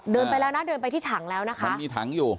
เดินไปแล้วนะเดินไปที่ถังแล้วนะคะมันมีถังอยู่